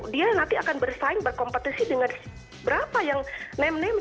dia nanti akan bersaing berkompetisi dengan berapa yang name name